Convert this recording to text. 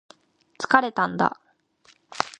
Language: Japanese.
疲れたんだ